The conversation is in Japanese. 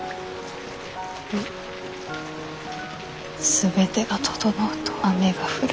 全てが整うと雨が降る。